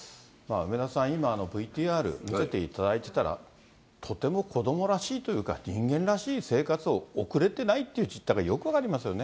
梅沢さん、今、ＶＴＲ見せていただいていたら、とても子どもらしいというか、人間らしい生活をおくれてないっていう実態がよく分かりますよね。